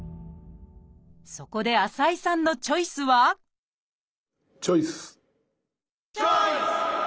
そこで浅井さんのチョイスはチョイス！